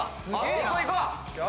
いこういこう！